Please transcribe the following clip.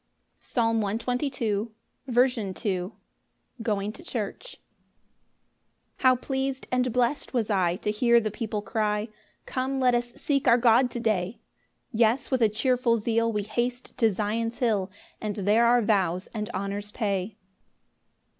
Psalm 122:2. Proper Tune. Going to church. 1 How pleas'd and blest was I To hear the people cry, "Come, let us seek our God to day!" Yes, with a cheerful zeal, We haste to Zion's hill, And there our vows and honours pay.